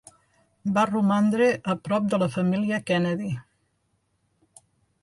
Va romandre a prop de la família Kennedy.